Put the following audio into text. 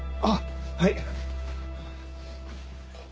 あっはい。